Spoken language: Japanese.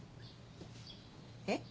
えっ？